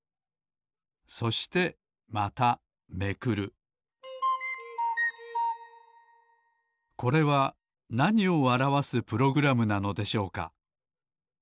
そしてまためくるこれはなにをあらわすプログラムなのでしょうか？